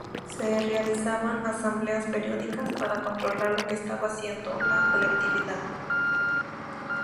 Se realizaban asambleas periódicas para controlar lo que estaba haciendo la colectividad.